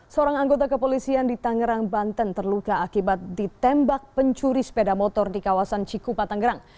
seorang anggota kepolisian di tangerang banten terluka akibat ditembak pencuri sepeda motor di kawasan cikupa tanggerang